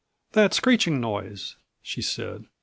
"That screeching noise," she said.